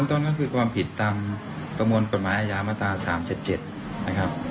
ต้นก็คือความผิดตามกระมวลกฎหมายอายามตา๓๗๗